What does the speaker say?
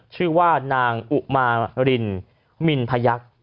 ชื่อว่านางอุมารินมินพยักษ์